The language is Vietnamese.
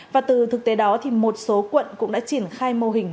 và từ thực tế đó thì một số quận cũng đã triển khai mô hình